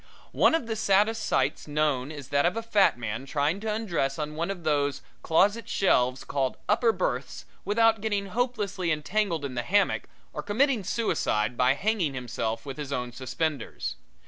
One of the saddest sights known is that of a fat man trying to undress on one of those closet shelves called upper berths without getting hopelessly entangled in the hammock or committing suicide by hanging himself with his own suspenders.